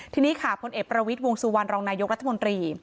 ทีนี้ค่ะพลเอกประวิทย์วงสุวรรณรองนายกรัฐมนตรี